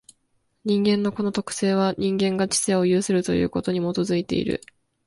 人間のこの特性は、人間が知性を有するということに基いている。